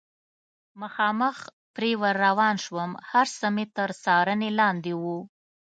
مخامخ پرې ور روان شوم، هر څه مې تر څارنې لاندې و.